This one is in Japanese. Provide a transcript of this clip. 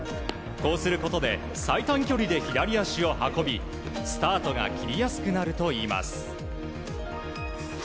こうすることで最短距離で左足を運びスタートが切りやすくなるといいます。